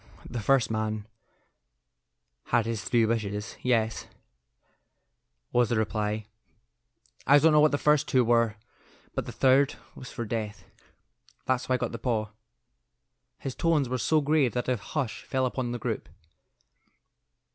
"The first man had his three wishes. Yes," was the reply; "I don't know what the first two were, but the third was for death. That's how I got the paw." His tones were so grave that a hush fell upon the group.